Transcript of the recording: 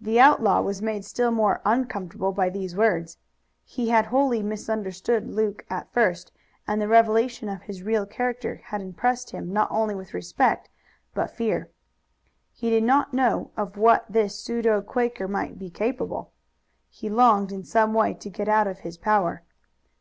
The outlaw was made still more uncomfortable by these words. He had wholly misunderstood Luke at first, and the revelation of his real character had impressed him not only with respect but fear. He did not know of what this pseudo Quaker might be capable. He longed in some way to get out of his power.